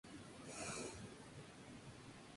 Hablaba fluidamente persa, árabe, urdu y su nativo pastún.